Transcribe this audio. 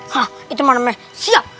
hah itu namanya siap